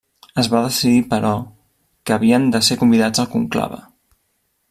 Es va decidir, però, que havien de ser convidats al conclave.